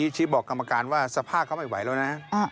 ชี้บอกกรรมการว่าสภาพเขาไม่ไหวแล้วนะ